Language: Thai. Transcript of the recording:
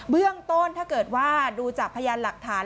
เรื่องต้นถ้าเกิดว่าดูจากพยานหลักฐาน